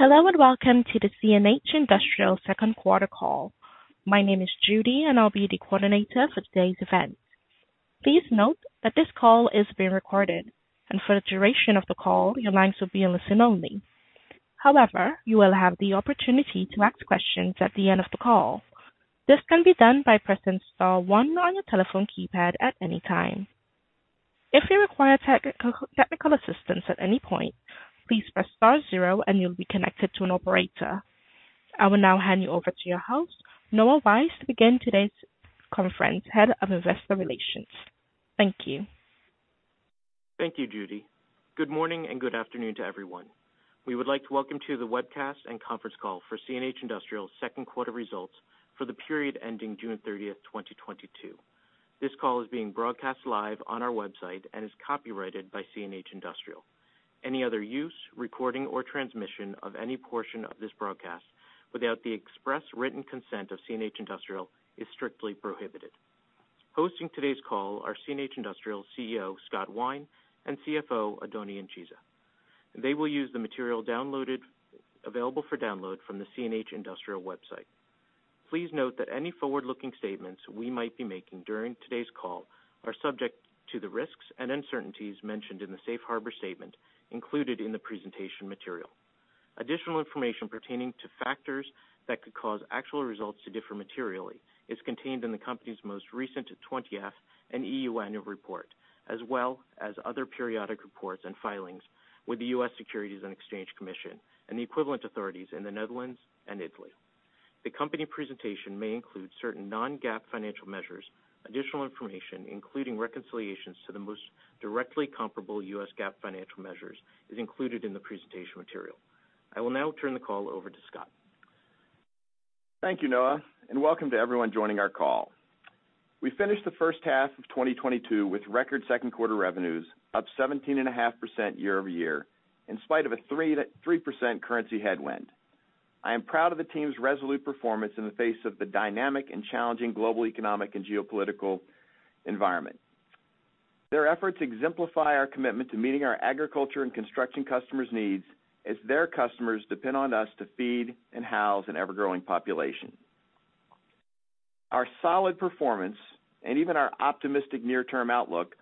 Hello, and welcome to the CNH Industrial second quarter call. My name is Judy, and I'll be the coordinator for today's event. Please note that this call is being recorded, and for the duration of the call, your lines will be in listen only. However, you will have the opportunity to ask questions at the end of the call. This can be done by pressing star one on your telephone keypad at any time. If you require technical assistance at any point, please press star zero and you'll be connected to an operator. I will now hand you over to your host, Noah Weiss, Head of Investor Relations, to begin today's conference. Thank you. Thank you, Judy. Good morning, and good afternoon to everyone. We would like to welcome to the webcast and conference call for CNH Industrial second quarter results for the period ending June 30, 2022. This call is being broadcast live on our website and is copyrighted by CNH Industrial. Any other use, recording, or transmission of any portion of this broadcast without the express written consent of CNH Industrial is strictly prohibited. Hosting today's call are CNH Industrial's CEO, Scott Wine, and CFO, Oddone Incisa. They will use the material available for download from the CNH Industrial website. Please note that any forward-looking statements we might be making during today's call are subject to the risks and uncertainties mentioned in the safe harbor statement included in the presentation material. Additional information pertaining to factors that could cause actual results to differ materially is contained in the company's most recent 20-F and EU annual report, as well as other periodic reports and filings with the U.S. Securities and Exchange Commission and the equivalent authorities in the Netherlands and Italy. The company presentation may include certain non-GAAP financial measures. Additional information, including reconciliations to the most directly comparable U.S. GAAP financial measures, is included in the presentation material. I will now turn the call over to Scott. Thank you, Noah, and welcome to everyone joining our call. We finished the first half of 2022 with record second quarter revenues up 17.5% year-over-year in spite of a 3% currency headwind. I am proud of the team's resolute performance in the face of the dynamic and challenging global economic and geopolitical environment. Their efforts exemplify our commitment to meeting our agriculture and construction customers' needs as their customers depend on us to feed and house an ever-growing population. Our solid performance and even our optimistic near-term outlook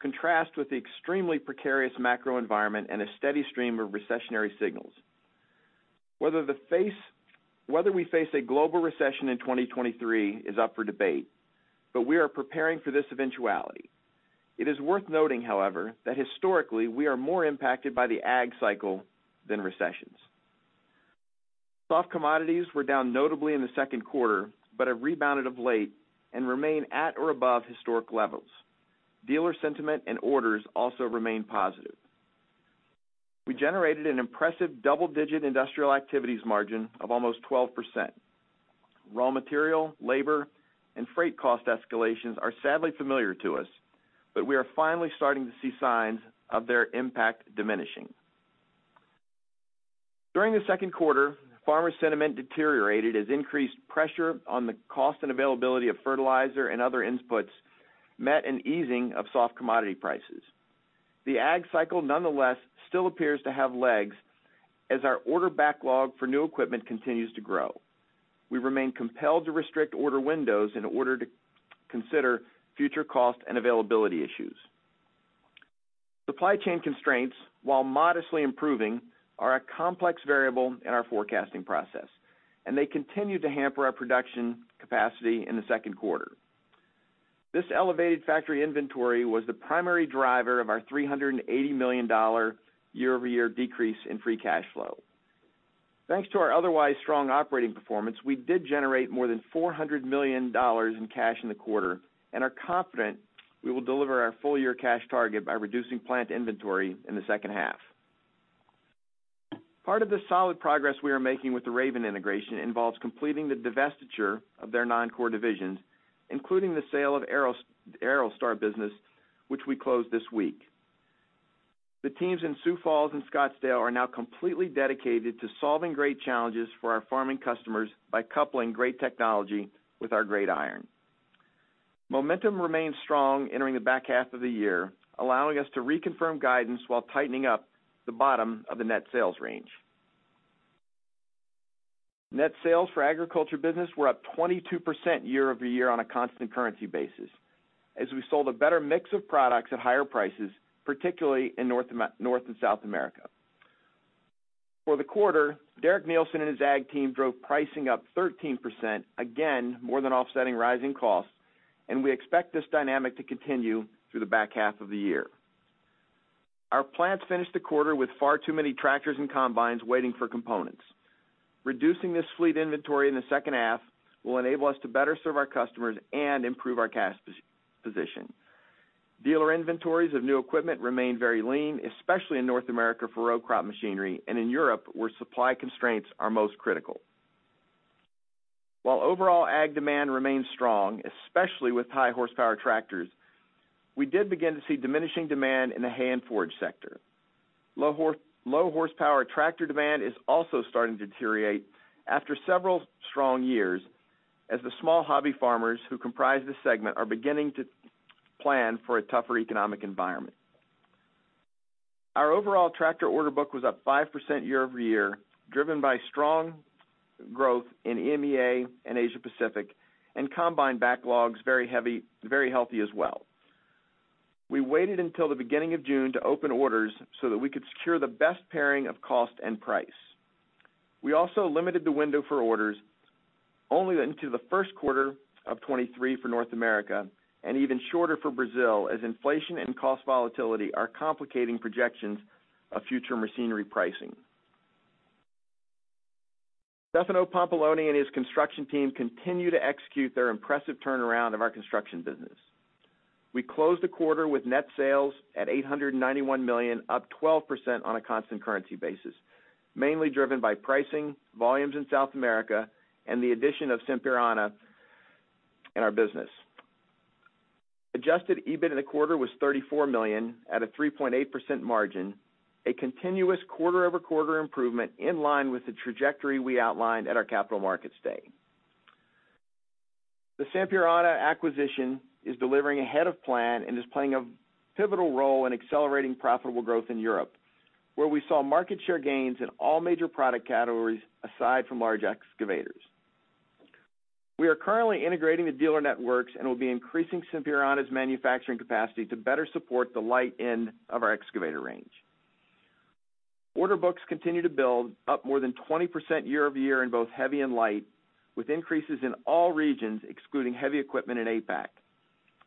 contrast with the extremely precarious macro environment and a steady stream of recessionary signals. Whether we face a global recession in 2023 is up for debate, but we are preparing for this eventuality. It is worth noting, however, that historically we are more impacted by the ag cycle than recessions. Soft commodities were down notably in the second quarter but have rebounded of late and remain at or above historic levels. Dealer sentiment and orders also remain positive. We generated an impressive double-digit industrial activities margin of almost 12%. Raw material, labor, and freight cost escalations are sadly familiar to us, but we are finally starting to see signs of their impact diminishing. During the second quarter, farmer sentiment deteriorated as increased pressure on the cost and availability of fertilizer and other inputs met an easing of soft commodity prices. The ag cycle nonetheless still appears to have legs as our order backlog for new equipment continues to grow. We remain compelled to restrict order windows in order to consider future cost and availability issues. Supply chain constraints, while modestly improving, are a complex variable in our forecasting process, and they continued to hamper our production capacity in the second quarter. This elevated factory inventory was the primary driver of our $380 million year-over-year decrease in free cash flow. Thanks to our otherwise strong operating performance, we did generate more than $400 million in cash in the quarter and are confident we will deliver our full year cash target by reducing plant inventory in the second half. Part of the solid progress we are making with the Raven integration involves completing the divestiture of their non-core divisions, including the sale of Aerostar business which we closed this week. The teams in Sioux Falls and Scottsdale are now completely dedicated to solving great challenges for our farming customers by coupling great technology with our great iron. Momentum remains strong entering the back half of the year, allowing us to reconfirm guidance while tightening up the bottom of the net sales range. Net sales for agriculture business were up 22% year-over-year on a constant currency basis as we sold a better mix of products at higher prices, particularly in North and South America. For the quarter, Derek Neilson and his ag team drove pricing up 13%, again, more than offsetting rising costs, and we expect this dynamic to continue through the back half of the year. Our plants finished the quarter with far too many tractors and combines waiting for components. Reducing this fleet inventory in the second half will enable us to better serve our customers and improve our cash position. Dealer inventories of new equipment remain very lean, especially in North America for row crop machinery and in Europe, where supply constraints are most critical. While overall ag demand remains strong, especially with high-horsepower tractors, we did begin to see diminishing demand in the hay and forage sector. Low-horsepower tractor demand is also starting to deteriorate after several strong years as the small hobby farmers who comprise this segment are beginning to plan for a tougher economic environment. Our overall tractor order book was up 5% year-over-year, driven by strong growth in EMEA and Asia Pacific, and combine backlogs very healthy as well. We waited until the beginning of June to open orders so that we could secure the best pairing of cost and price. We also limited the window for orders only into the first quarter of 2023 for North America, and even shorter for Brazil, as inflation and cost volatility are complicating projections of future machinery pricing. Stefano Pampalone and his construction team continue to execute their impressive turnaround of our construction business. We closed the quarter with net sales at 891 million, up 12% on a constant currency basis, mainly driven by pricing, volumes in South America, and the addition of Sampierana in our business. Adjusted EBIT in the quarter was 34 million at a 3.8% margin, a continuous quarter-over-quarter improvement in line with the trajectory we outlined at our capital markets day. The Sampierana acquisition is delivering ahead of plan and is playing a pivotal role in accelerating profitable growth in Europe, where we saw market share gains in all major product categories aside from large excavators. We are currently integrating the dealer networks and will be increasing Sampierana's manufacturing capacity to better support the light end of our excavator range. Order books continue to build up more than 20% year-over-year in both heavy and light, with increases in all regions excluding heavy equipment in APAC.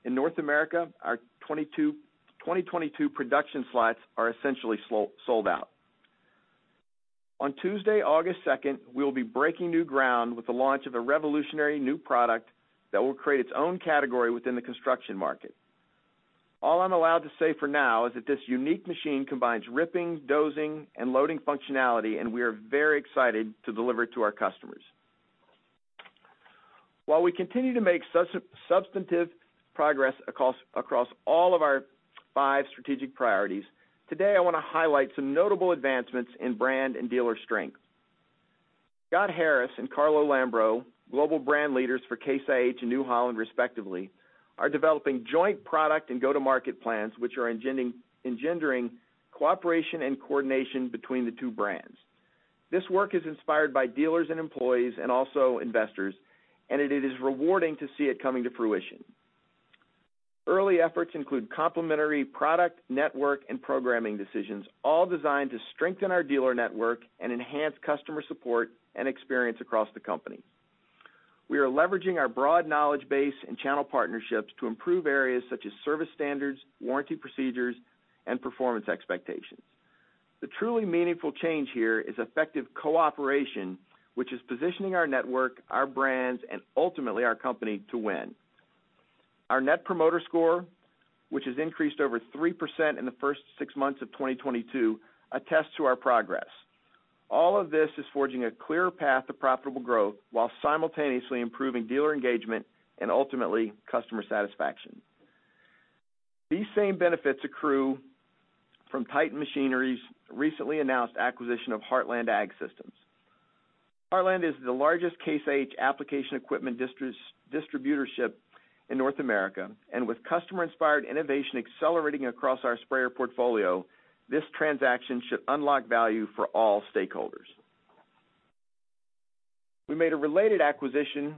In North America, our 2022 production slots are essentially sold out. On Tuesday, August 2, we'll be breaking new ground with the launch of a revolutionary new product that will create its own category within the construction market. All I'm allowed to say for now is that this unique machine combines ripping, dozing, and loading functionality, and we are very excited to deliver it to our customers. While we continue to make substantive progress across all of our five strategic priorities, today I wanna highlight some notable advancements in brand and dealer strength. Scott Harris and Carlo Lambro, global brand leaders for Case IH and New Holland, respectively, are developing joint product and go-to-market plans, which are engendering cooperation and coordination between the two brands. This work is inspired by dealers and employees and also investors, and it is rewarding to see it coming to fruition. Early efforts include complementary product, network, and programming decisions, all designed to strengthen our dealer network and enhance customer support and experience across the company. We are leveraging our broad knowledge base and channel partnerships to improve areas such as service standards, warranty procedures, and performance expectations. The truly meaningful change here is effective cooperation, which is positioning our network, our brands, and ultimately our company to win. Our Net Promoter Score, which has increased over 3% in the first six months of 2022, attests to our progress. All of this is forging a clear path to profitable growth while simultaneously improving dealer engagement and ultimately customer satisfaction. These same benefits accrue from Titan Machinery's recently announced acquisition of Heartland Ag Systems. Heartland is the largest Case IH application equipment distributorship in North America. With customer-inspired innovation accelerating across our sprayer portfolio, this transaction should unlock value for all stakeholders. We made a related acquisition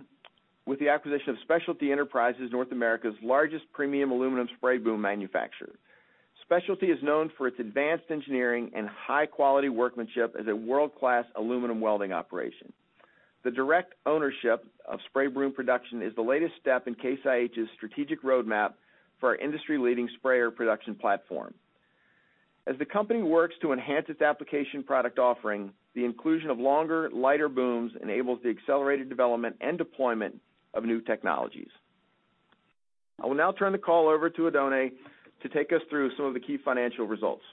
with the acquisition of Specialty Enterprises, North America's largest premium aluminum spray boom manufacturer. Specialty Enterprises is known for its advanced engineering and high-quality workmanship as a world-class aluminum welding operation. The direct ownership of spray boom production is the latest step in Case IH's strategic roadmap for our industry-leading sprayer production platform. As the company works to enhance its application product offering, the inclusion of longer, lighter booms enables the accelerated development and deployment of new technologies. I will now turn the call over to Oddone Incisa to take us through some of the key financial results.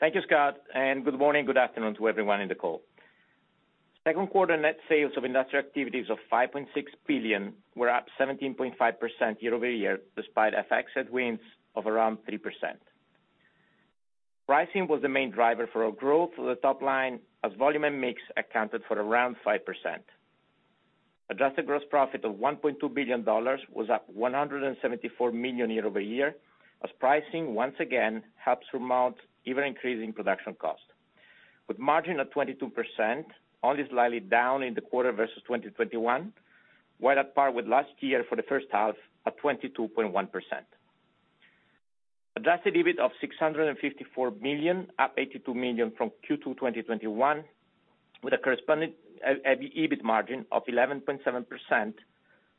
Thank you, Scott, and good morning, good afternoon to everyone in the call. Second quarter net sales of Industrial Activities of 5.6 billion were up 17.5% year-over-year, despite FX headwinds of around 3%. Pricing was the main driver for our growth for the top line as volume and mix accounted for around 5%. Adjusted gross profit of EUR 1.2 billion was up 174 million year-over-year as pricing once again helps surmount ever-increasing production costs. With margin of 22%, only slightly down in the quarter versus 2021, we're at par with last year for the first half of 22.1%. Adjusted EBIT of 654 million, up 82 million from Q2 2021, with a corresponding EBIT margin of 11.7%,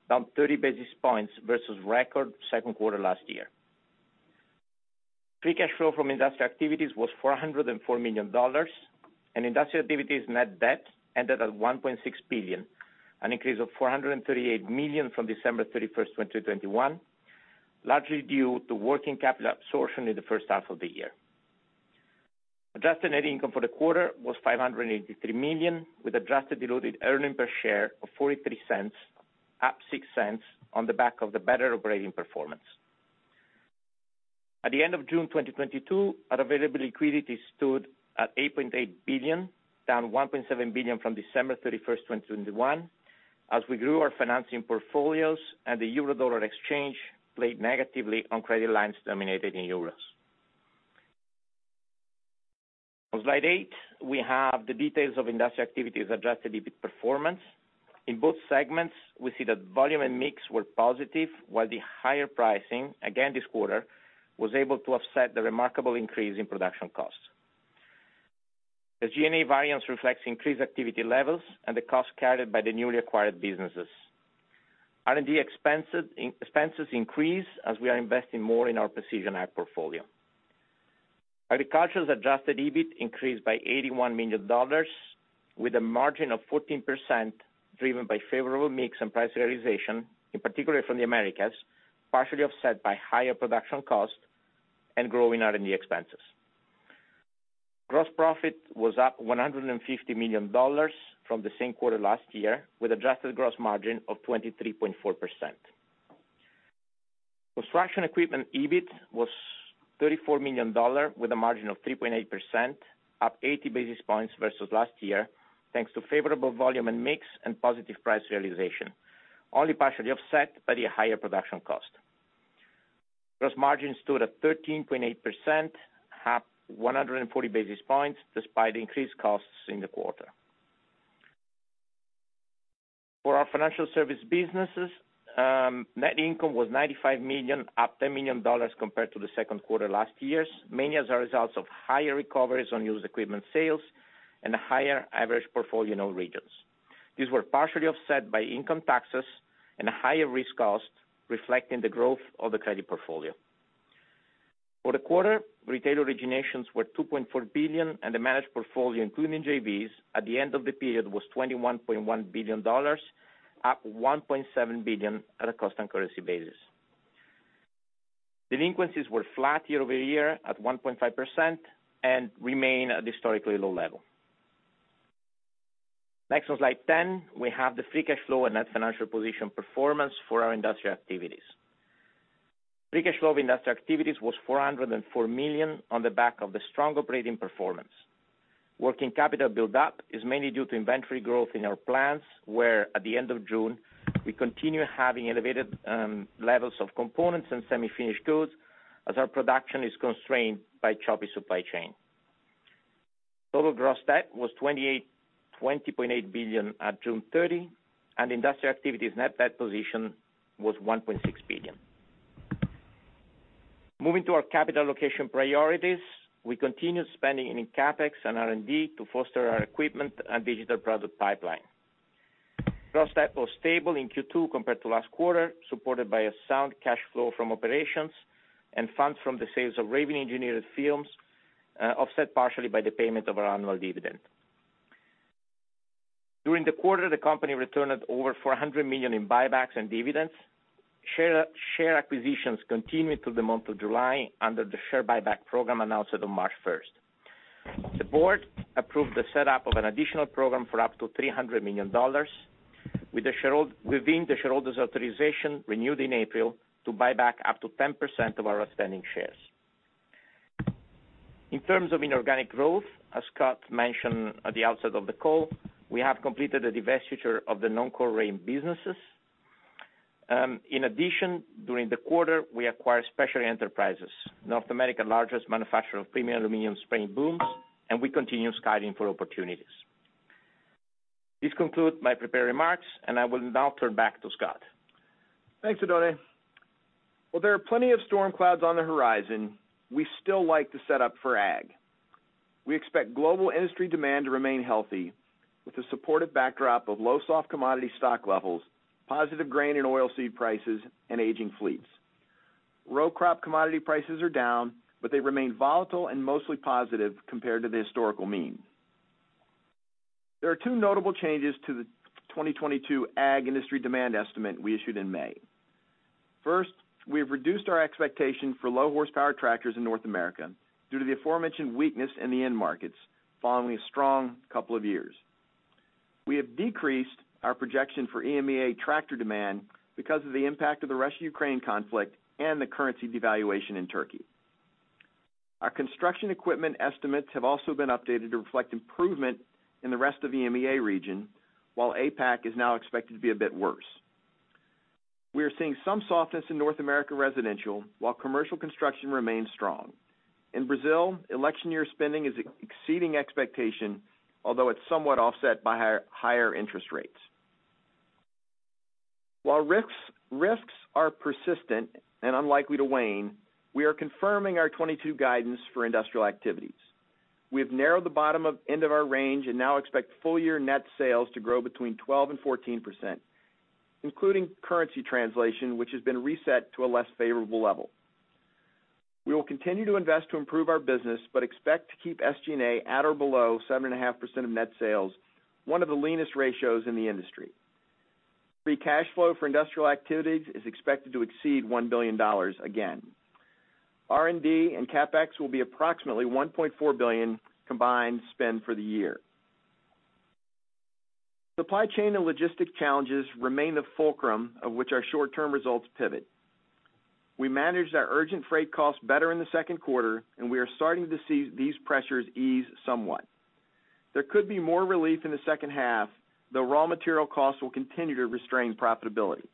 down 30 basis points versus record second quarter last year. Free cash flow from Industrial Activities was $404 million and Industrial Activities net debt ended at 1.6 billion, an increase of 438 million from December 31, 2021, largely due to working capital absorption in the first half of the year. Adjusted net income for the quarter was 583 million, with adjusted diluted earnings per share of 0.43, up 0.06 on the back of the better operating performance. At the end of June 2022, our available liquidity stood at 8.8 billion, down 1.7 billion from December 31st, 2021, as we grew our financing portfolios and the EUR/USD exchange rate played negatively on credit lines denominated in euros. On slide eight, we have the details of industrial activities Adjusted EBIT performance. In both segments, we see that volume and mix were positive, while the higher pricing, again this quarter, was able to offset the remarkable increase in production costs. The G&A variance reflects increased activity levels and the cost carried by the newly acquired businesses. R&D expenses increase as we are investing more in our Precision Ag portfolio. Agriculture's Adjusted EBIT increased by $81 million with a margin of 14%, driven by favorable mix and price realization, in particular from the Americas, partially offset by higher production costs and growing R&D expenses. Gross profit was up $150 million from the same quarter last year, with adjusted gross margin of 23.4%. Construction equipment EBIT was $34 million dollar with a margin of 3.8%, up 80 basis points versus last year, thanks to favorable volume and mix and positive price realization, only partially offset by the higher production cost. Gross margin stood at 13.8%, up 140 basis points despite increased costs in the quarter. For our financial service businesses, net income was $95 million, up $10 million compared to the second quarter last year's, mainly as a result of higher recoveries on used equipment sales and higher average portfolio in all regions. These were partially offset by income taxes and higher risk costs, reflecting the growth of the credit portfolio. For the quarter, retail originations were $2.4 billion and the managed portfolio, including JVs, at the end of the period was $21.1 billion, up $1.7 billion at a constant currency basis. Delinquencies were flat year-over-year at 1.5% and remain at historically low level. Next, on slide 10, we have the free cash flow and net financial position performance for our industrial activities. Free cash flow of industrial activities was $404 million on the back of the strong operating performance. Working capital build up is mainly due to inventory growth in our plants, where at the end of June, we continue having elevated levels of components and semi-finished goods as our production is constrained by choppy supply chain. Total gross debt was 20.8 billion at June 30, and industrial activities net debt position was 1.6 billion. Moving to our capital allocation priorities, we continued spending in CapEx and R&D to foster our equipment and digital product pipeline. Gross debt was stable in Q2 compared to last quarter, supported by a sound cash flow from operations and funds from the sales of Raven Engineered Films, offset partially by the payment of our annual dividend. During the quarter, the company returned over 400 million in buybacks and dividends. Share acquisitions continued through the month of July under the share buyback program announced on March first. The board approved the set up of an additional program for up to $300 million within the shareholders authorization renewed in April to buy back up to 10% of our outstanding shares. In terms of inorganic growth, as Scott mentioned at the outset of the call, we have completed the divestiture of the non-core Raven businesses. In addition, during the quarter, we acquired Specialty Enterprises, North America's largest manufacturer of premium aluminum spray booms, and we continue scouting for opportunities. This concludes my prepared remarks, and I will now turn back to Scott. Thanks, Oddone. While there are plenty of storm clouds on the horizon, we still like to set up for Ag. We expect global industry demand to remain healthy with the supportive backdrop of low soft commodity stock levels, positive grain and oilseed prices, and aging fleets. Row crop commodity prices are down, but they remain volatile and mostly positive compared to the historical mean. There are two notable changes to the 2022 Ag industry demand estimate we issued in May. First, we have reduced our expectation for low-horsepower tractors in North America due to the aforementioned weakness in the end markets following a strong couple of years. We have decreased our projection for EMEA tractor demand because of the impact of the Russia-Ukraine conflict and the currency devaluation in Turkey. Our construction equipment estimates have also been updated to reflect improvement in the rest of the EMEA region, while APAC is now expected to be a bit worse. We are seeing some softness in North America residential, while commercial construction remains strong. In Brazil, election year spending is exceeding expectation, although it's somewhat offset by higher interest rates. While risks are persistent and unlikely to wane, we are confirming our 2022 guidance for industrial activities. We have narrowed the bottom end of our range and now expect full-year net sales to grow between 12% and 14%, including currency translation, which has been reset to a less favorable level. We will continue to invest to improve our business, but expect to keep SG&A at or below 7.5% of net sales, one of the leanest ratios in the industry. Free cash flow for industrial activities is expected to exceed $1 billion again. R&D and CapEx will be approximately $1.4 billion combined spend for the year. Supply chain and logistics challenges remain the fulcrum of which our short-term results pivot. We managed our urgent freight costs better in the second quarter, and we are starting to see these pressures ease somewhat. There could be more relief in the second half, though raw material costs will continue to restrain profitability.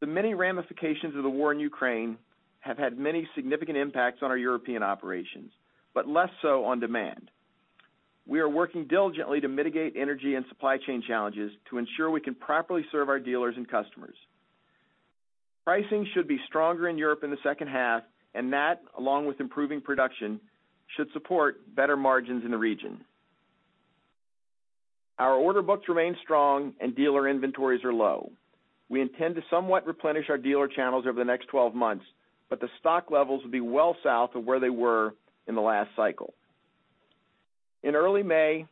The many ramifications of the war in Ukraine have had many significant impacts on our European operations, but less so on demand. We are working diligently to mitigate energy and supply chain challenges to ensure we can properly serve our dealers and customers. Pricing should be stronger in Europe in the second half, and that, along with improving production, should support better margins in the region. Our order books remain strong and dealer inventories are low. We intend to somewhat replenish our dealer channels over the next 12 months, but the stock levels will be well south of where they were in the last cycle. In early May,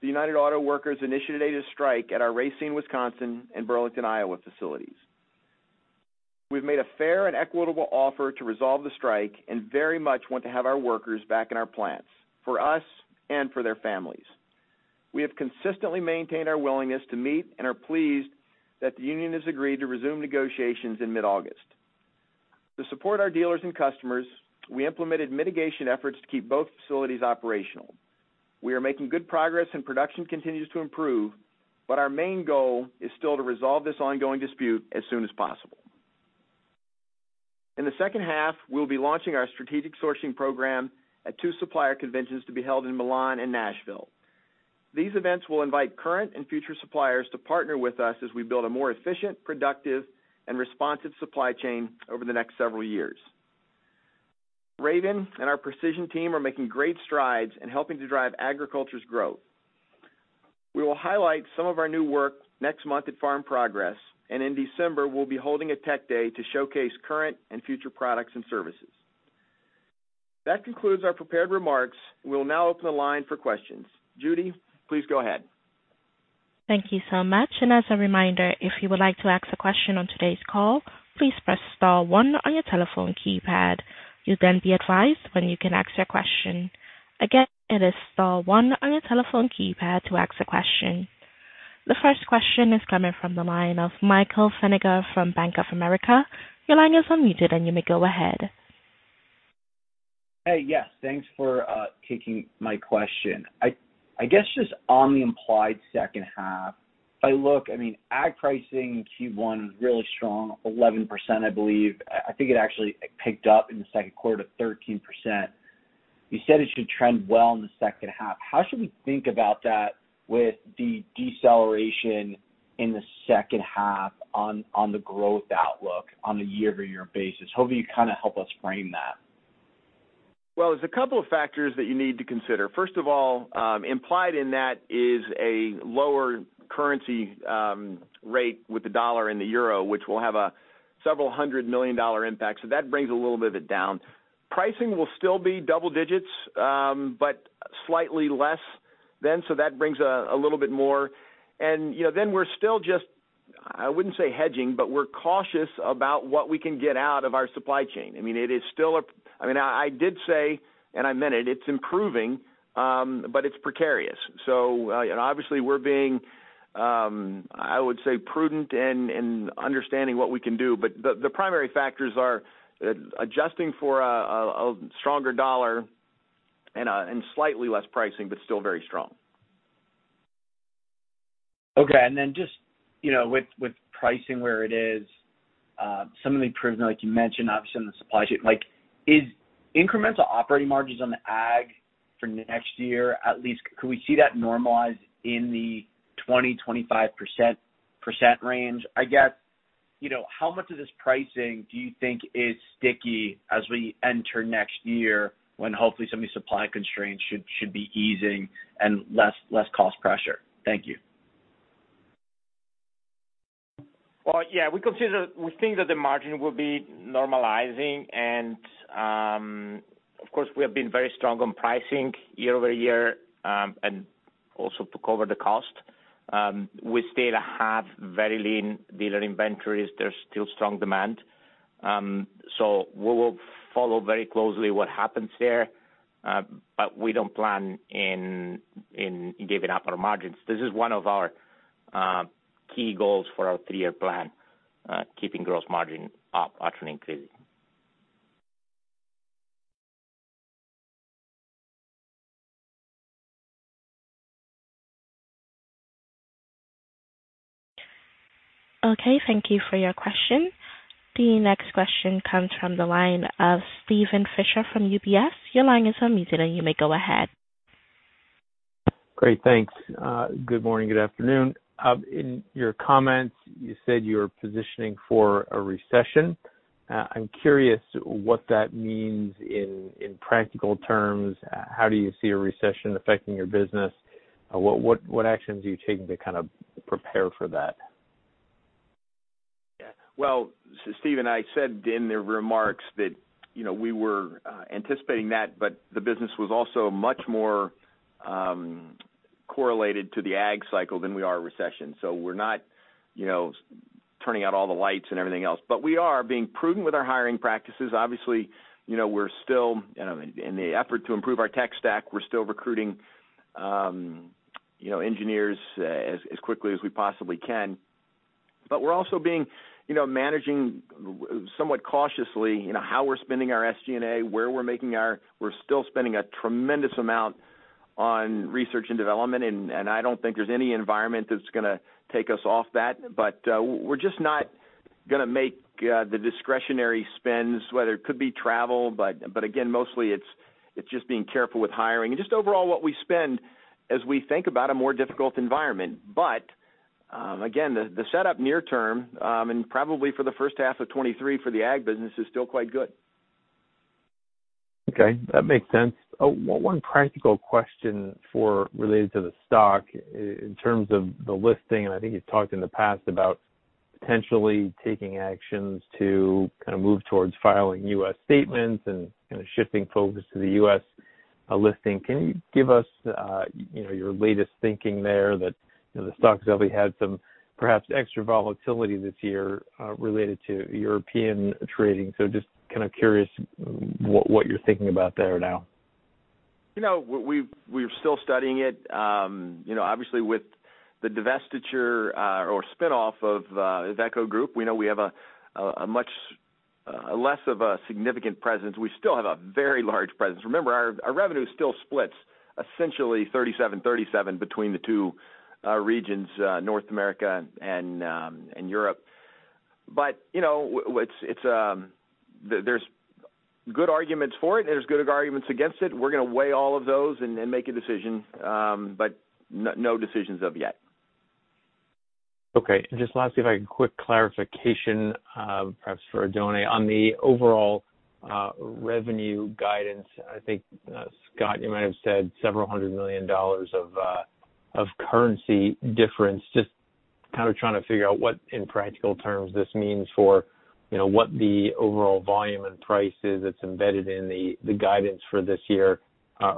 the United Auto Workers initiated a strike at our Racine, Wisconsin, and Burlington, Iowa, facilities. We've made a fair and equitable offer to resolve the strike and very much want to have our workers back in our plants for us and for their families. We have consistently maintained our willingness to meet and are pleased that the union has agreed to resume negotiations in mid-August. To support our dealers and customers, we implemented mitigation efforts to keep both facilities operational. We are making good progress and production continues to improve, but our main goal is still to resolve this ongoing dispute as soon as possible. In the second half, we'll be launching our strategic sourcing program at two supplier conventions to be held in Milan and Nashville. These events will invite current and future suppliers to partner with us as we build a more efficient, productive, and responsive supply chain over the next several years. Raven and our precision team are making great strides in helping to drive agriculture's growth. We will highlight some of our new work next month at Farm Progress, and in December, we'll be holding a tech day to showcase current and future products and services. That concludes our prepared remarks. We'll now open the line for questions. Judy, please go ahead. Thank you so much. As a reminder, if you would like to ask a question on today's call, please press star one on your telephone keypad. You'll then be advised when you can ask your question. Again, it is star one on your telephone keypad to ask a question. The first question is coming from the line of Michael Feniger from Bank of America. Your line is unmuted, and you may go ahead. Hey, yes, thanks for taking my question. I guess just on the implied second half, if I look, I mean, ag pricing in Q1 was really strong, 11%, I believe. I think it actually picked up in the second quarter to 13%. You said it should trend well in the second half. How should we think about that with the deceleration in the second half on the growth outlook on a year-over-year basis? Hopefully, you kind of help us frame that. Well, there's a couple of factors that you need to consider. First of all, implied in that is a lower currency rate with the dollar and the euro, which will have a $several hundred million impact. That brings a little bit of it down. Pricing will still be double digits, but slightly less than that brings a little bit more. You know, then we're still just, I wouldn't say hedging, but we're cautious about what we can get out of our supply chain. I mean, I did say, and I meant it's improving, but it's precarious. You know, obviously we're being, I would say prudent and understanding what we can do. The primary factors are adjusting for a stronger dollar and slightly less pricing, but still very strong. Okay. Just, you know, with pricing where it is, some of the improvements like you mentioned, obviously on the supply chain. Like, is incremental operating margins on the ag for next year, at least could we see that normalize in the 20%-25% range? I guess, you know, how much of this pricing do you think is sticky as we enter next year when hopefully some of the supply constraints should be easing and less cost pressure? Thank you. Well, yeah, we think that the margin will be normalizing. Of course, we have been very strong on pricing year-over-year, and also to cover the cost. We still have very lean dealer inventories. There's still strong demand. We will follow very closely what happens there, but we don't plan in giving up our margins. This is one of our key goals for our three year plan, keeping gross margin up or increasing. Okay, thank you for your question. The next question comes from the line of Steven Fisher from UBS. Your line is unmuted, and you may go ahead. Great, thanks. Good morning, good afternoon. In your comments, you said you're positioning for a recession. I'm curious what that means in practical terms. How do you see a recession affecting your business? What actions are you taking to kind of prepare for that? Yeah. Well, Steven, I said in the remarks that, you know, we were anticipating that, but the business was also much more correlated to the ag cycle than we are to recession. We're not, you know, turning out all the lights and everything else. But we are being prudent with our hiring practices. Obviously, you know, we're still, you know, in the effort to improve our tech stack, we're still recruiting, you know, engineers as quickly as we possibly can. But we're also being, you know, managing somewhat cautiously, you know, how we're spending our SG&A, where we're making our. We're still spending a tremendous amount on research and development, and I don't think there's any environment that's gonna take us off that. We're just not gonna make the discretionary spends, whether it could be travel, but again, mostly it's just being careful with hiring and just overall what we spend as we think about a more difficult environment. Again, the setup near term and probably for the first half of 2023 for the ag business is still quite good. Okay, that makes sense. One practical question regarding the stock in terms of the listing, and I think you've talked in the past about potentially taking actions to kind of move towards filing U.S. statements and, you know, shifting focus to the U.S. listing. Can you give us, you know, your latest thinking there that, you know, the stock's definitely had some perhaps extra volatility this year, related to European trading. Just kind of curious what you're thinking about there now. You know, we're still studying it. You know, obviously with the divestiture or spin-off of the Iveco Group, we know we have a much less of a significant presence. We still have a very large presence. Remember, our revenue still splits essentially 37 between the two regions, North America and Europe. You know, there's good arguments for it, and there's good arguments against it. We're gonna weigh all of those and make a decision, but no decisions yet. Okay. Just lastly, if I can, quick clarification, perhaps for Oddone Incisa. On the overall revenue guidance, I think, Scott Wine, you might have said several hundred million dollars of currency difference. Just kind of trying to figure out what in practical terms this means for, you know, what the overall volume and price is that's embedded in the guidance for this year.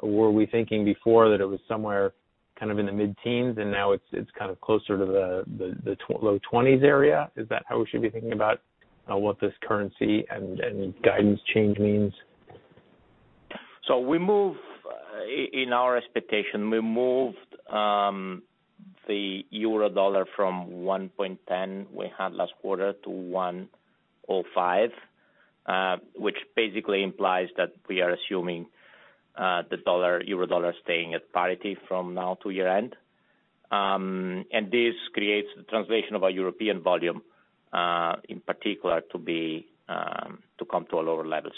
Were we thinking before that it was somewhere kind of in the mid-teens and now it's kind of closer to the low twenties area? Is that how we should be thinking about what this currency and guidance change means? In our expectation, we moved the EUR/USD from 1.10 we had last quarter to 1.05, which basically implies that we are assuming the EUR/USD staying at parity from now to year-end. This creates the translation of our European volume in particular to come to a lower level.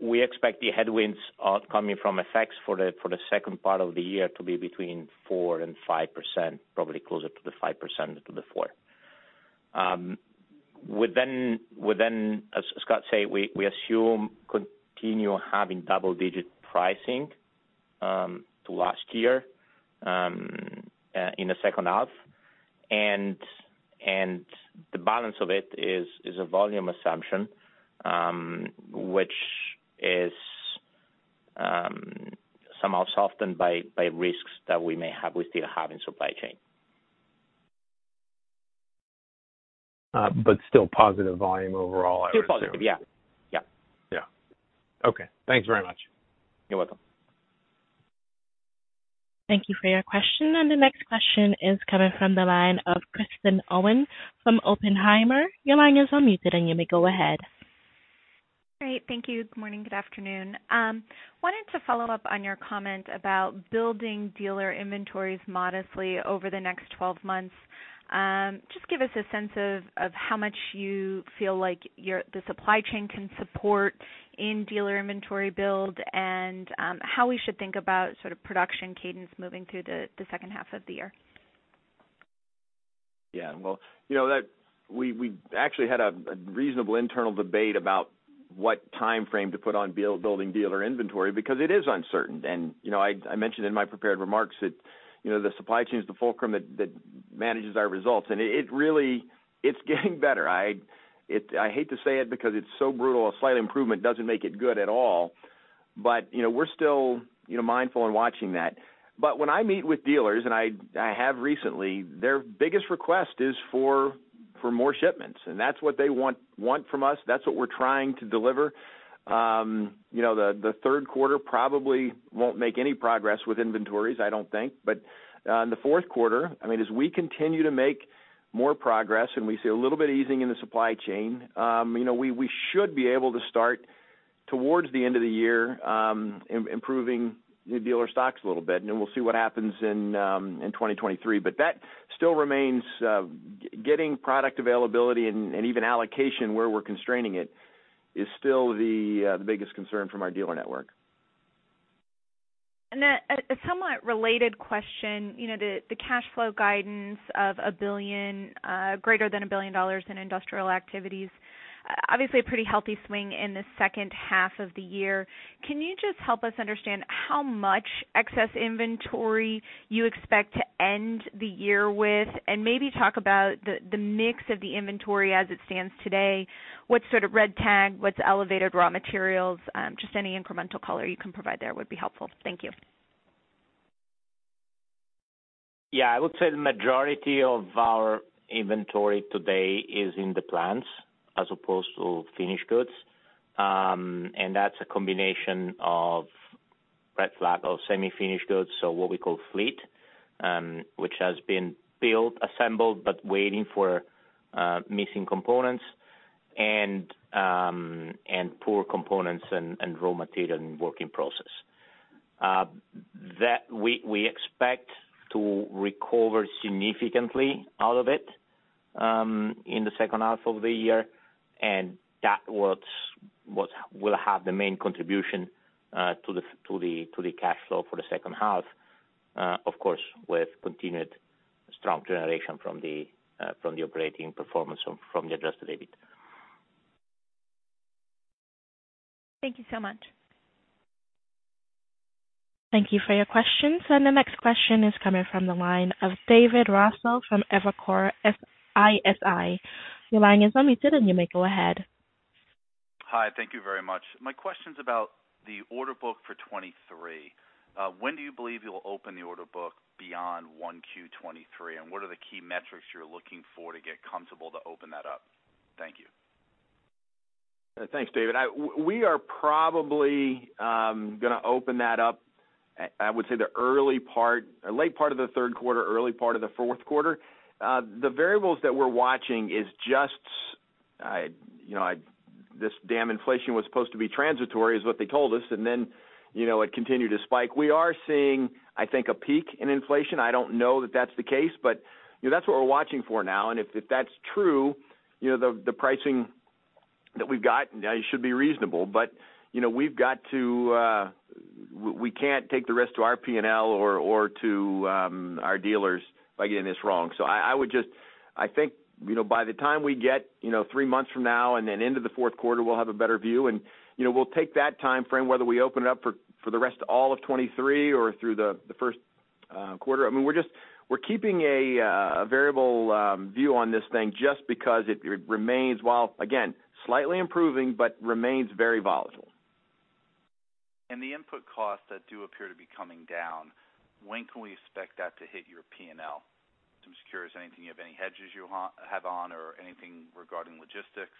We expect the headwinds coming from effects for the second part of the year to be between 4% and 5%, probably closer to the 5% to the 4%. Within, as Scott say, we assume continue having double-digit pricing to last year in the second half. The balance of it is a volume assumption, which is somehow softened by risks that we still have in supply chain. Still positive volume overall, I assume. Still positive, yeah. Yep. Yeah. Okay. Thanks very much. You're welcome. Thank you for your question. The next question is coming from the line of Kristen Owen from Oppenheimer. Your line is unmuted, and you may go ahead. Great. Thank you. Good morning. Good afternoon. Wanted to follow up on your comment about building dealer inventories modestly over the next 12 months. Just give us a sense of how much you feel like the supply chain can support in dealer inventory build and how we should think about sort of production cadence moving through the second half of the year. Yeah. Well, you know, that we actually had a reasonable internal debate about what timeframe to put on building dealer inventory because it is uncertain. You know, I mentioned in my prepared remarks that, you know, the supply chain is the fulcrum that manages our results. It really is getting better. I hate to say it because it's so brutal. A slight improvement doesn't make it good at all. You know, we're still mindful and watching that. When I meet with dealers, and I have recently, their biggest request is for more shipments, and that's what they want from us. That's what we're trying to deliver. You know, the third quarter probably won't make any progress with inventories, I don't think. in the fourth quarter, I mean, as we continue to make more progress and we see a little bit easing in the supply chain, you know, we should be able to start towards the end of the year, improving the dealer stocks a little bit, and then we'll see what happens in 2023. That still remains, getting product availability and even allocation where we're constraining it is still the biggest concern from our dealer network. Then a somewhat related question, you know, the cash flow guidance of greater than $1 billion in industrial activities, obviously a pretty healthy swing in the second half of the year. Can you just help us understand how much excess inventory you expect to end the year with? Maybe talk about the mix of the inventory as it stands today. What's sort of red tag, what's elevated raw materials? Just any incremental color you can provide there would be helpful. Thank you. Yeah, I would say the majority of our inventory today is in the plants as opposed to finished goods. That's a combination of red tag or semi-finished goods, so what we call fleet, which has been built, assembled, but waiting for missing components, and core components and raw material and work in process. That we expect to recover significantly out of it in the second half of the year, and that's what will have the main contribution to the cash flow for the second half, of course, with continued strong generation from the operating performance from the Adjusted EBIT. Thank you so much. Thank you for your questions. The next question is coming from the line of David Raso from Evercore ISI. Your line is unmuted, and you may go ahead. Hi. Thank you very much. My question's about the order book for 2023. When do you believe you'll open the order book beyond 1Q23, and what are the key metrics you're looking for to get comfortable to open that up? Thank you. Thanks, David. We are probably gonna open that up. I would say the late part of the third quarter, early part of the fourth quarter. The variables that we're watching is just, you know, this damn inflation was supposed to be transitory, is what they told us, and then, you know, it continued to spike. We are seeing, I think, a peak in inflation. I don't know that that's the case, but, you know, that's what we're watching for now. If that's true, you know, the pricing that we've got should be reasonable. You know, we've got to. We can't take the risk to our P&L or to our dealers by getting this wrong. I would just. I think, you know, by the time we get, you know, three months from now and then into the fourth quarter, we'll have a better view. You know, we'll take that timeframe, whether we open it up for the rest of all of 2023 or through the first quarter. I mean, we're keeping a variable view on this thing just because it remains, while, again, slightly improving, but remains very volatile. The input costs that do appear to be coming down, when can we expect that to hit your P&L? I'm just curious, anything, you have any hedges you have on or anything regarding logistics?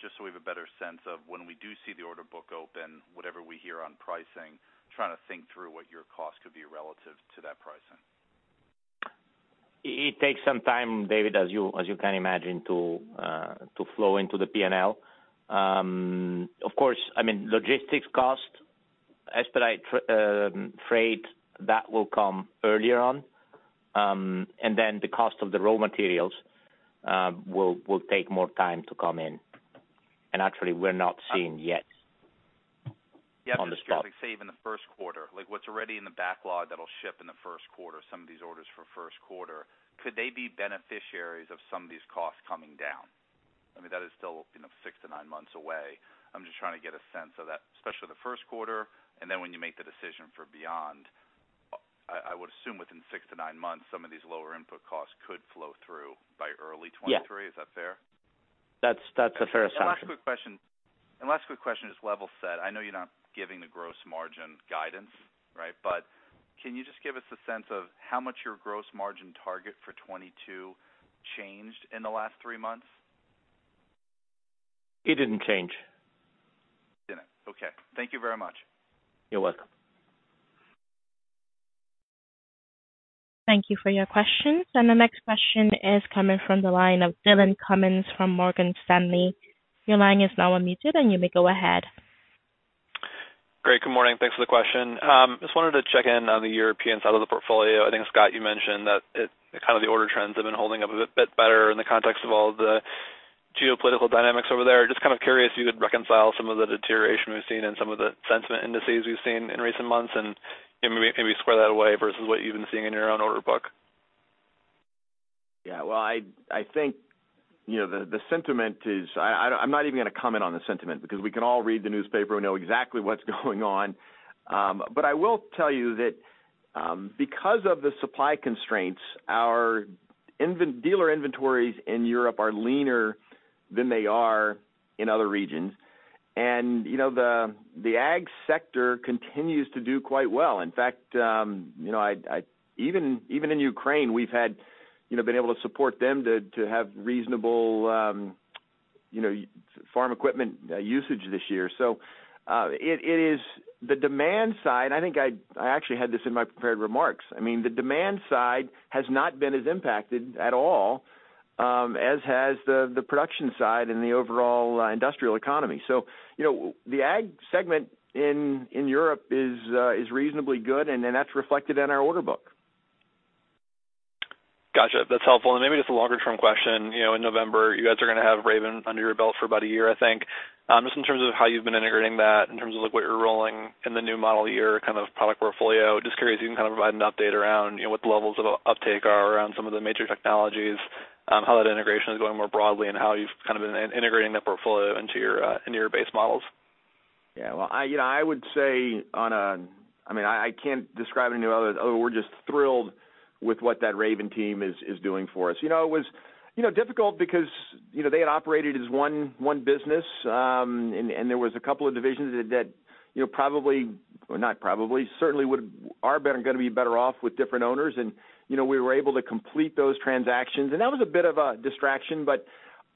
Just so we have a better sense of when we do see the order book open, whatever we hear on pricing, trying to think through what your cost could be relative to that pricing. It takes some time, David, as you can imagine, to flow into the P&L. Of course, I mean, logistics costs, expedite, freight, that will come earlier on. Then the cost of the raw materials will take more time to come in. Actually, we're not seeing yet- Yeah. on the spot. Like, say even the first quarter, like what's already in the backlog that'll ship in the first quarter, some of these orders for first quarter, could they be beneficiaries of some of these costs coming down? I mean, that is still, you know, 6-9 months away. I'm just trying to get a sense of that, especially the first quarter, and then when you make the decision for beyond. I would assume within 6-9 months, some of these lower input costs could flow through by early 2023. Yeah. Is that fair? That's a fair assumption. Last quick question is level set. I know you're not giving the gross margin guidance, right? Can you just give us a sense of how much your gross margin target for 2022 changed in the last three months? It didn't change. It didn't. Okay. Thank you very much. You're welcome. Thank you for your questions. The next question is coming from the line of Dillon Cumming from Morgan Stanley. Your line is now unmuted, and you may go ahead. Great. Good morning. Thanks for the question. Just wanted to check in on the European side of the portfolio. I think, Scott, you mentioned that it, kind of the order trends have been holding up a bit better in the context of all the geopolitical dynamics over there. Just kind of curious if you could reconcile some of the deterioration we've seen and some of the sentiment indices we've seen in recent months, and maybe square that away versus what you've been seeing in your own order book. Yeah. Well, I think, you know, the sentiment is. I'm not even gonna comment on the sentiment because we can all read the newspaper and know exactly what's going on. I will tell you that, because of the supply constraints, our dealer inventories in Europe are leaner than they are in other regions. You know, the ag sector continues to do quite well. In fact, even in Ukraine, we've been able to support them to have reasonable farm equipment usage this year. It is the demand side. I think I actually had this in my prepared remarks. I mean, the demand side has not been as impacted at all, as has the production side and the overall industrial economy. You know, the ag segment in Europe is reasonably good, and then that's reflected in our order book. Gotcha. That's helpful. Maybe just a longer term question. You know, in November, you guys are gonna have Raven under your belt for about a year, I think. Just in terms of how you've been integrating that, in terms of like what you're rolling in the new model year kind of product portfolio. Just curious if you can kind of provide an update around, you know, what the levels of uptake are around some of the major technologies, how that integration is going more broadly, and how you've kind of been integrating that portfolio into your base models. Yeah. Well, you know, I would say. I mean, I can't describe any other than we're just thrilled with what that Raven team is doing for us. You know, it was you know, difficult because you know, they had operated as one business and there was a couple of divisions that you know, certainly are gonna be better off with different owners and you know, we were able to complete those transactions. That was a bit of a distraction.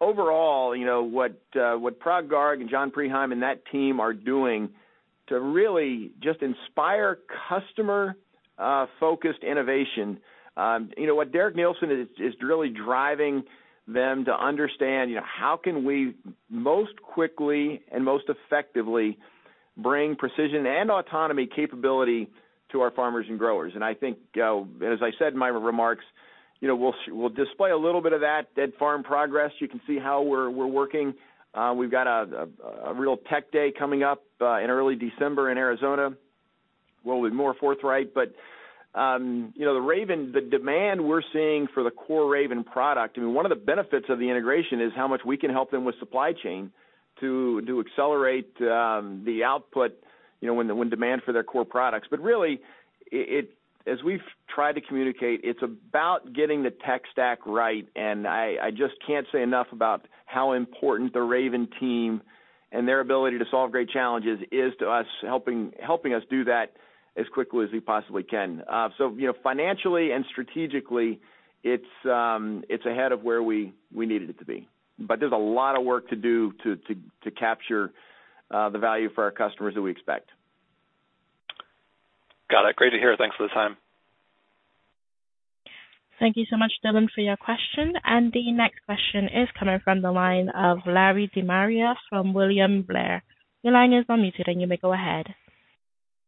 Overall, you know, what Parag Garg and Dan Rykhus and that team are doing to really just inspire customer focused innovation. You know what? Derek Neilson is really driving them to understand, you know, how can we most quickly and most effectively bring precision and autonomy capability to our farmers and growers. I think, as I said in my remarks, you know, we'll display a little bit of that at Farm Progress. You can see how we're working. We've got a real tech day coming up in early December in Arizona where we'll be more forthright. You know, the Raven, the demand we're seeing for the core Raven product, I mean, one of the benefits of the integration is how much we can help them with supply chain to accelerate the output, you know, when the demand for their core products. Really it, as we've tried to communicate, it's about getting the tech stack right. I just can't say enough about how important the Raven team and their ability to solve great challenges is to us helping us do that as quickly as we possibly can. So you know, financially and strategically it's ahead of where we need it to be. There's a lot of work to do to capture the value for our customers that we expect. Got it. Great to hear. Thanks for the time. Thank you so much, Dillon, for your question. The next question is coming from the line of Larry De Maria from William Blair. Your line is unmuted and you may go ahead.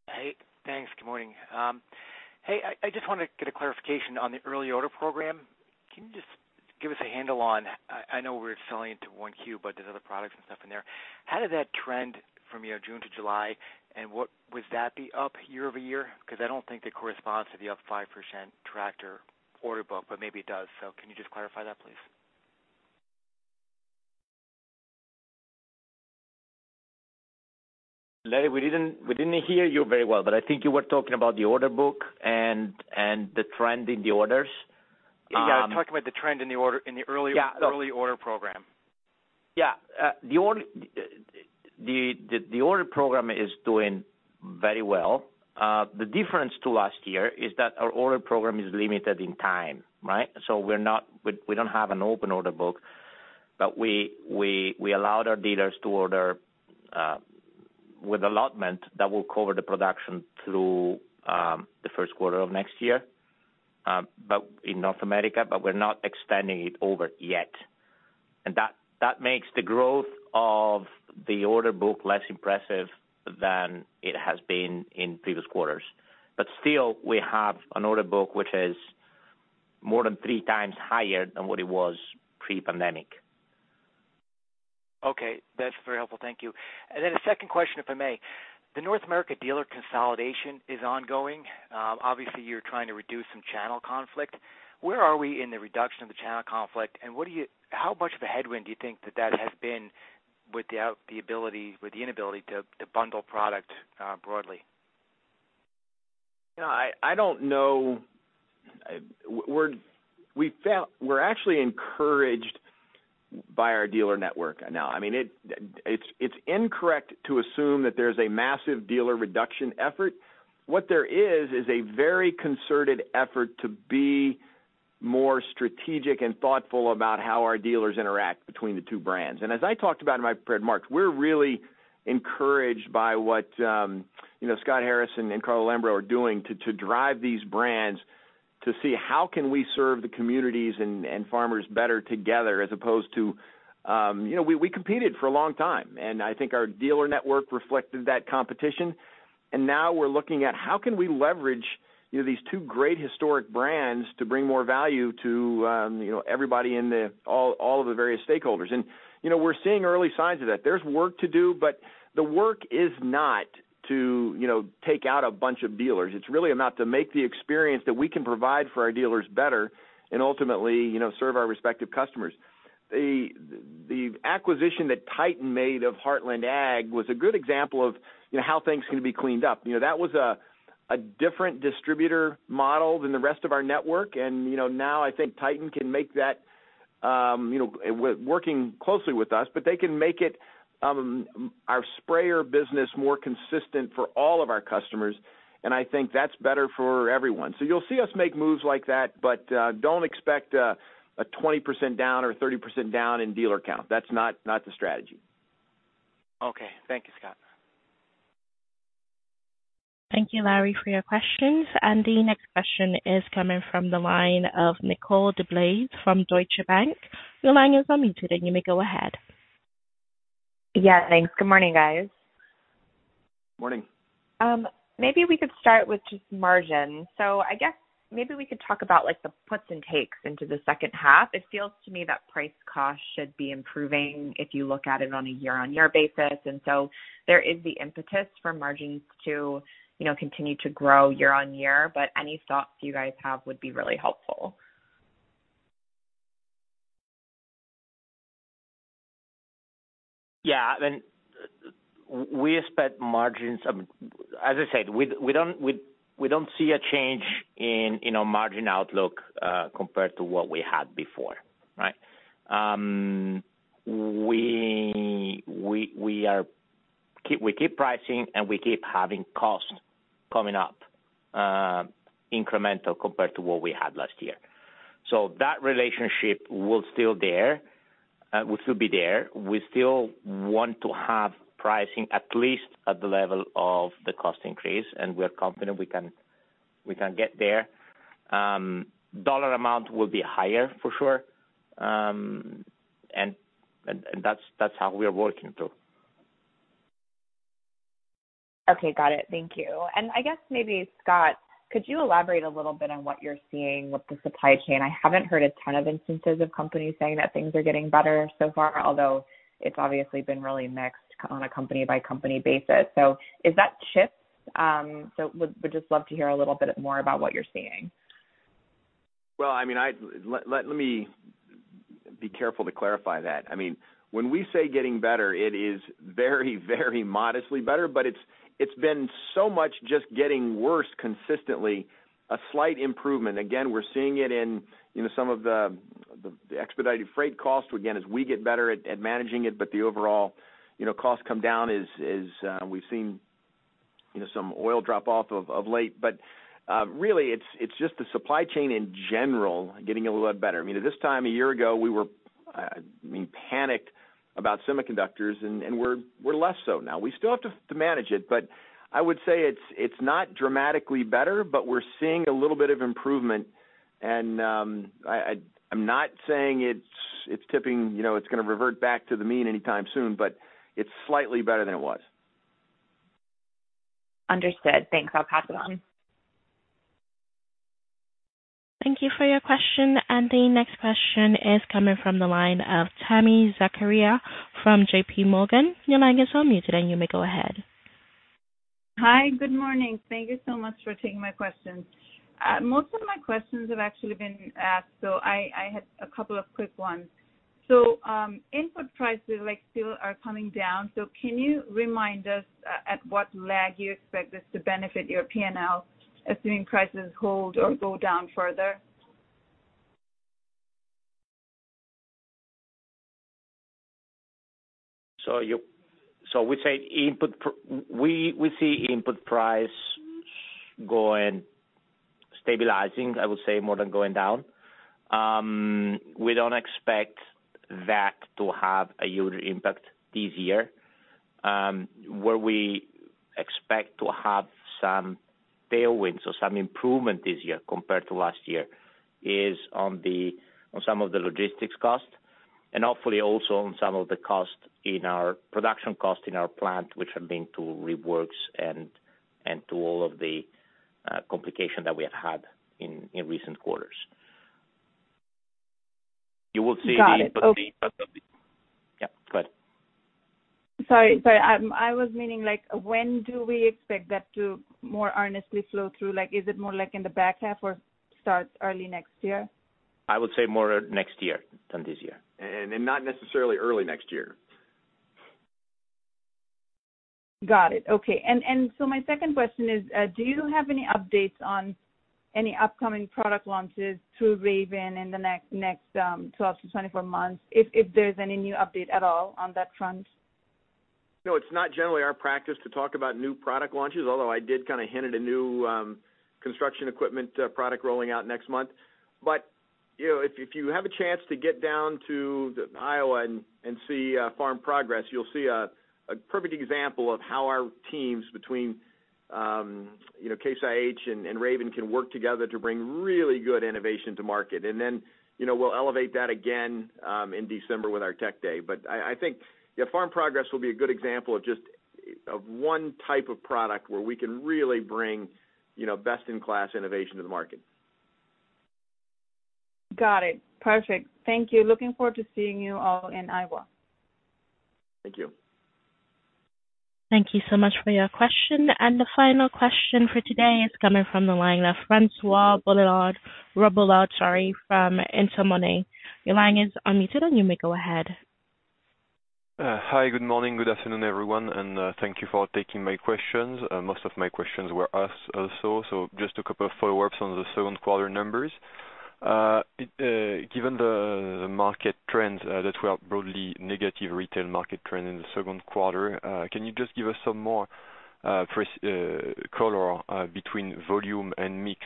Hey, thanks. Good morning. Hey, I just wanna get a clarification on the early order program. Can you just give us a handle on, I know we're selling into one Q, but there's other products and stuff in there. How did that trend from June to July, and what would that be up year-over-year? 'Cause I don't think that corresponds to the up 5% tractor order book, but maybe it does. Can you just clarify that please? Larry, we didn't hear you very well, but I think you were talking about the order book and the trend in the orders. Yeah, I'm talking about the trend in the order. Yeah. In the early order program. Yeah. The order program is doing very well. The difference to last year is that our order program is limited in time, right? We're not we don't have an open order book, but we allowed our dealers to order with allotment that will cover the production through the first quarter of next year, but in North America. We're not extending it over yet. That makes the growth of the order book less impressive than it has been in previous quarters. Still, we have an order book which is more than three times higher than what it was pre-pandemic. Okay. That's very helpful. Thank you. A second question, if I may. The North America dealer consolidation is ongoing. Obviously you're trying to reduce some channel conflict. Where are we in the reduction of the channel conflict, and how much of a headwind do you think that has been with the inability to bundle product broadly? No, I don't know. We're actually encouraged by our dealer network now. I mean, it's incorrect to assume that there's a massive dealer reduction effort. What there is a very concerted effort to be more strategic and thoughtful about how our dealers interact between the two brands. As I talked about in my prepared remarks, we're really encouraged by what Scott Harris and Carlo Lambro are doing to drive these brands to see how can we serve the communities and farmers better together as opposed to. We competed for a long time, and I think our dealer network reflected that competition. Now we're looking at how can we leverage, you know, these two great historic brands to bring more value to, you know, everybody in all of the various stakeholders. You know, we're seeing early signs of that. There's work to do, but the work is not to, you know, take out a bunch of dealers. It's really about to make the experience that we can provide for our dealers better and ultimately, you know, serve our respective customers. The acquisition that Titan made of Heartland Ag was a good example of, you know, how things can be cleaned up. You know, that was a different distributor model than the rest of our network. You know, now I think Titan can make that, you know, with working closely with us, but they can make it our sprayer business more consistent for all of our customers, and I think that's better for everyone. You'll see us make moves like that, but don't expect a 20% down or 30% down in dealer count. That's not the strategy. Okay. Thank you, Scott. Thank you, Larry DeMaria, for your questions. The next question is coming from the line of Nicole DeBlase from Deutsche Bank. Your line is unmuted and you may go ahead. Yeah, thanks. Good morning, guys. Morning. Maybe we could start with just margin. I guess maybe we could talk about like the puts and takes into the second half. It feels to me that price cost should be improving if you look at it on a year-on-year basis. There is the impetus for margins to, you know, continue to grow year-on-year, but any thoughts you guys have would be really helpful. Yeah, I mean, we expect margins, As I said, we don't see a change in our margin outlook compared to what we had before, right? We keep pricing, and we keep having costs coming up incremental compared to what we had last year. That relationship will still be there. We still want to have pricing at least at the level of the cost increase, and we're confident we can get there. Dollar amount will be higher for sure, and that's how we are working too. Okay. Got it. Thank you. I guess maybe, Scott, could you elaborate a little bit on what you're seeing with the supply chain? I haven't heard a ton of instances of companies saying that things are getting better so far, although it's obviously been really mixed on a company by company basis. Is that chips? Would just love to hear a little bit more about what you're seeing. Well, I mean, let me be careful to clarify that. I mean, when we say getting better, it is very, very modestly better, but it's been so much just getting worse consistently, a slight improvement. Again, we're seeing it in, you know, some of the expedited freight costs. Again, as we get better at managing it, but the overall, you know, costs coming down is, we've seen, you know, some oil drop off of late. Really it's just the supply chain in general getting a lot better. I mean, at this time a year ago, we were, I mean, panicked about semiconductors and we're less so now. We still have to manage it, but I would say it's not dramatically better, but we're seeing a little bit of improvement and I'm not saying it's tipping, you know, it's gonna revert back to the mean anytime soon, but it's slightly better than it was. Understood. Thanks. I'll pass it on. Thank you for your question. The next question is coming from the line of Tami Zakaria from JP Morgan. Your line is unmuted, and you may go ahead. Hi. Good morning. Thank you so much for taking my questions. Most of my questions have actually been asked, so I had a couple of quick ones. Input prices like still are coming down, so can you remind us at what lag you expect this to benefit your P&L, assuming prices hold or go down further? We see input price going, stabilizing, I would say, more than going down. We don't expect that to have a huge impact this year. Where we expect to have some tailwinds or some improvement this year compared to last year is on some of the logistics costs and hopefully also on some of the costs in our production costs in our plant, which have been to reworks and to all of the complication that we have had in recent quarters. You will see the input. Got it. Yeah, go ahead. Sorry. I was meaning like when do we expect that to more earnestly flow through? Like, is it more like in the back half or starts early next year? I would say more next year than this year. Not necessarily early next year. Got it. Okay. My second question is, do you have any updates on any upcoming product launches through Raven in the next 12-24 months, if there's any new update at all on that front? No, it's not generally our practice to talk about new product launches, although I did kind of hint at a new construction equipment product rolling out next month. You know, if you have a chance to get down to Iowa and see Farm Progress, you'll see a perfect example of how our teams between you know Case IH and Raven can work together to bring really good innovation to market. Then, you know, we'll elevate that again in December with our Tech Day. I think, yeah, Farm Progress will be a good example of just one type of product where we can really bring you know best in class innovation to the market. Got it. Perfect. Thank you. Looking forward to seeing you all in Iowa. Thank you. Thank you so much for your question. The final question for today is coming from the line of François Robillard, sorry, from Intermonte. Your line is unmuted, and you may go ahead. Hi. Good morning. Good afternoon, everyone, and thank you for taking my questions. Most of my questions were asked also, so just a couple of follow-ups on the second quarter numbers. Given the market trends that were broadly negative retail market trend in the second quarter, can you just give us some more color between volume and mix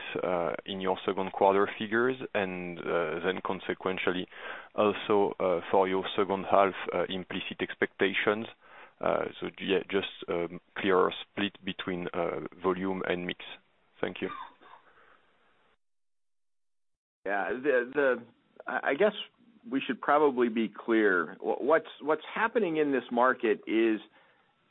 in your second quarter figures and then consequentially also for your second half implicit expectations? Clearer split between volume and mix. Thank you. I guess we should probably be clear. What's happening in this market is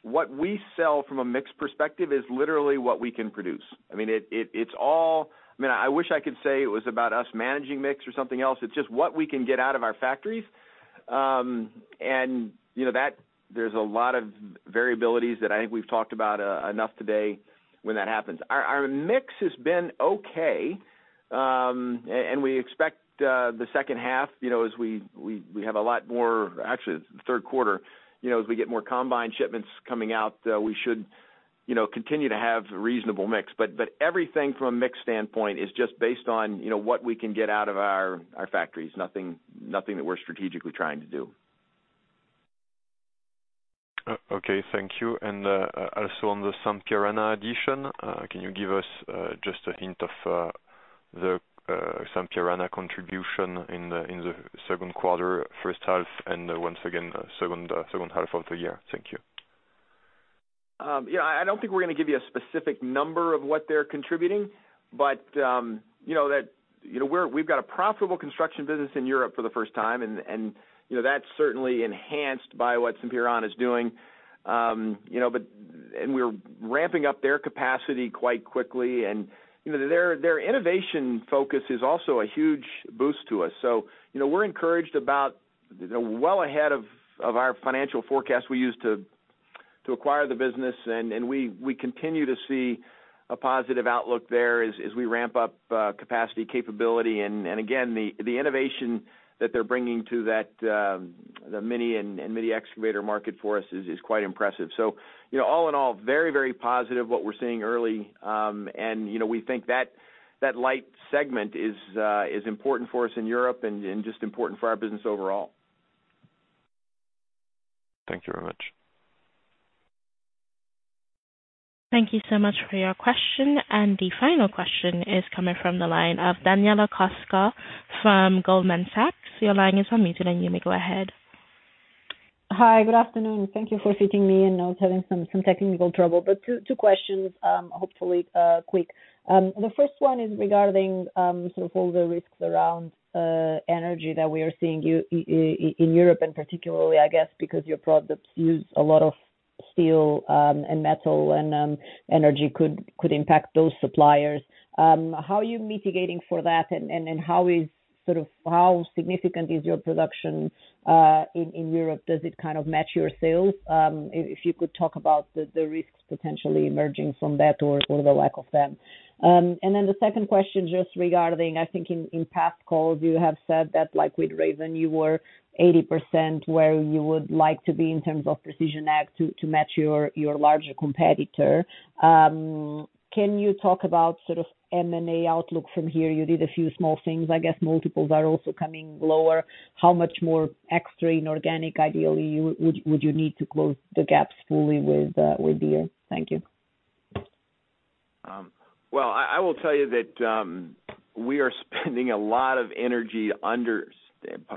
what we sell from a mix perspective is literally what we can produce. I mean, I wish I could say it was about us managing mix or something else. It's just what we can get out of our factories. You know, that there's a lot of variabilities that I think we've talked about enough today when that happens. Our mix has been okay, and we expect the second half, you know, as we have a lot more. Actually, it's the third quarter. You know, as we get more combine shipments coming out, we should, you know, continue to have reasonable mix. everything from a mix standpoint is just based on, you know, what we can get out of our factories. Nothing that we're strategically trying to do. Okay. Thank you. Also on the Sampierana addition, can you give us just a hint of the Sampierana contribution in the second quarter, first half, and once again, second half of the year? Thank you. I don't think we're gonna give you a specific number of what they're contributing, but you know that, you know, we've got a profitable construction business in Europe for the first time and you know, that's certainly enhanced by what Sampierana is doing. You know, but we're ramping up their capacity quite quickly and you know, their innovation focus is also a huge boost to us. You know, we're encouraged about well ahead of our financial forecast we used to acquire the business, and we continue to see a positive outlook there as we ramp up capacity capability. And again, the innovation that they're bringing to that, the mini and midi excavator market for us is quite impressive. You know, all in all, very positive what we're seeing early. You know, we think that light segment is important for us in Europe and just important for our business overall. Thank you very much. Thank you so much for your question. The final question is coming from the line of Daniela Costa from Goldman Sachs. Your line is unmuted, and you may go ahead. Hi. Good afternoon. Thank you for fitting me in. I was having some technical trouble. Two questions, hopefully quick. The first one is regarding sort of all the risks around energy that we are seeing in Europe, and particularly, I guess, because your products use a lot of steel and metal, and energy could impact those suppliers. How are you mitigating for that? And how significant is your production in Europe? Does it kind of match your sales? If you could talk about the risks potentially emerging from that or the lack of them. The second question, just regarding, I think in past calls, you have said that like with Raven, you were 80% where you would like to be in terms of Precision Ag to match your larger competitor. Can you talk about sort of M&A outlook from here? You did a few small things. I guess multiples are also coming lower. How much more extra inorganic ideally would you need to close the gaps fully with Deere? Thank you. Well, I will tell you that we are spending a lot of energy,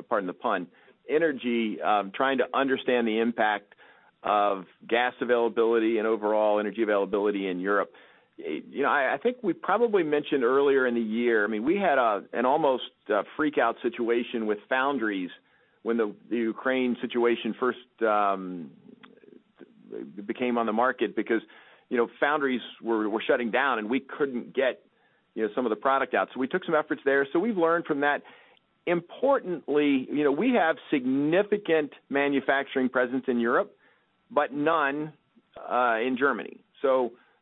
pardon the pun, on energy, trying to understand the impact of gas availability and overall energy availability in Europe. You know, I think we probably mentioned earlier in the year. I mean, we had an almost freak out situation with foundries when the Ukraine situation first became on the market because, you know, foundries were shutting down, and we couldn't get, you know, some of the product out. We took some efforts there. We've learned from that. Importantly, you know, we have significant manufacturing presence in Europe, but none in Germany.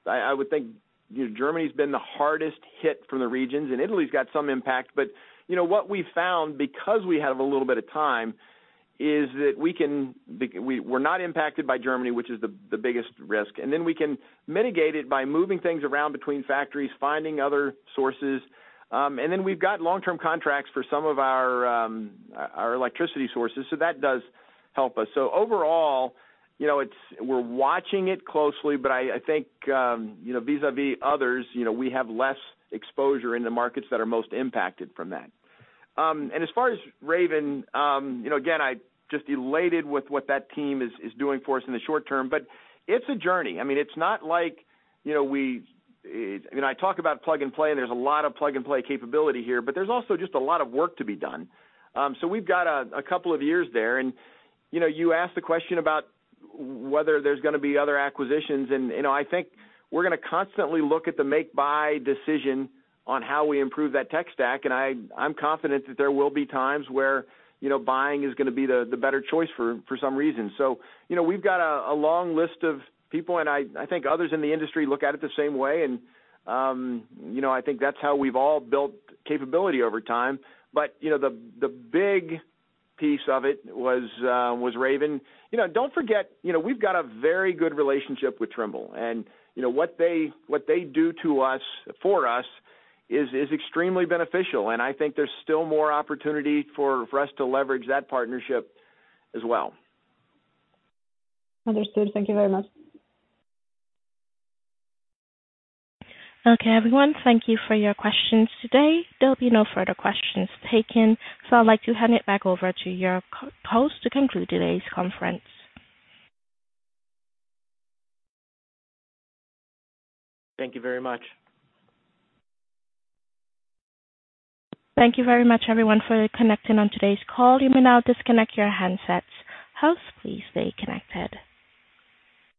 I would think, you know, Germany's been the hardest hit from the regions, and Italy's got some impact. You know, what we've found, because we have a little bit of time, is that we're not impacted by Germany, which is the biggest risk. Then we can mitigate it by moving things around between factories, finding other sources. Then we've got long-term contracts for some of our electricity sources, so that does help us. Overall, you know, we're watching it closely, but I think, you know, vis-à-vis others, you know, we have less exposure in the markets that are most impacted from that. As far as Raven, you know, again, I'm just elated with what that team is doing for us in the short term. It's a journey. I mean, it's not like, you know, we You know, I talk about plug and play, and there's a lot of plug and play capability here, but there's also just a lot of work to be done. So we've got a couple of years there. You know, you asked the question about whether there's gonna be other acquisitions. You know, I think we're gonna constantly look at the make buy decision on how we improve that tech stack. I'm confident that there will be times where, you know, buying is gonna be the better choice for some reason. You know, we've got a long list of people, and I think others in the industry look at it the same way. You know, I think that's how we've all built capability over time. You know, the big piece of it was Raven. You know, don't forget, you know, we've got a very good relationship with Trimble. You know, what they do to us, for us is extremely beneficial. I think there's still more opportunity for us to leverage that partnership as well. Understood. Thank you very much. Okay. Everyone, thank you for your questions today. There'll be no further questions taken. I'd like to hand it back over to your co-host to conclude today's conference. Thank you very much. Thank you very much, everyone, for connecting on today's call. You may now disconnect your handsets. Host, please stay connected.